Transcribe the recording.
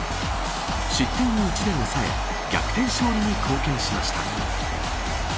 失点を１で抑え逆転勝利に貢献しました。